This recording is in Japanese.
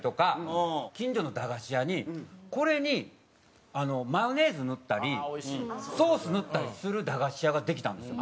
近所の駄菓子屋にこれにマヨネーズ塗ったりソース塗ったりする駄菓子屋ができたんですよ。